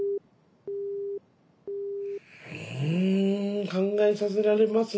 うん考えさせられますね